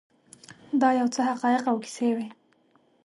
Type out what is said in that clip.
دا یو څه حقایق او کیسې وې.